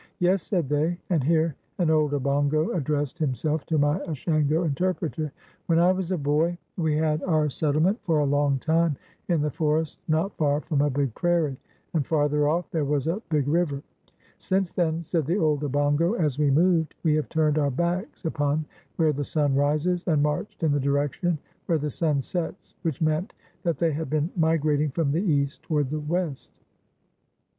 "Yes," said they, and here an old Obongo addressed himself to my Ashango interpreter. "When I was a boy, we had our settlement for a long time in the forest not far from a big prairie, and farther off there was a big river. Since then," said the old Obongo, "as we moved, we have turned our backs upon where the sun rises, and marched in the direction where the sun sets [which meant that they had been migrating from the east toward the west].